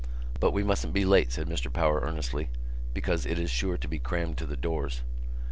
"But we mustn't be late," said Mr Power earnestly, "because it is sure to be crammed to the doors."